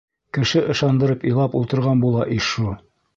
Кеше ышандырып илап ултырған була ишшу.